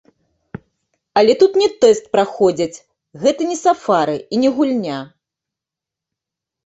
Але тут не тэст праходзяць, гэта не сафары і не гульня.